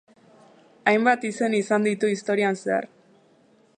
Hainbat izen izan ditu historian zehar.